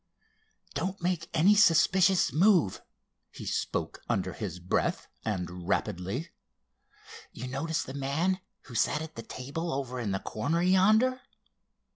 "Don't make any suspicious move," he spoke under his breath and rapidly. "You noticed the man who sat at the table over in the corner yonder?"